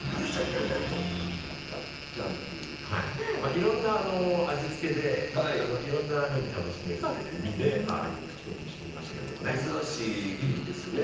いろんな味付けで、いろんなふうに楽しめるという意味でああいうクチコミにしてみましたけれどもね。